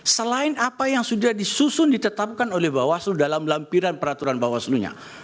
selain apa yang sudah disusun ditetapkan oleh bawaslu dalam lampiran peraturan bawaslu nya